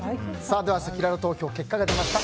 せきらら投票、結果が出ました。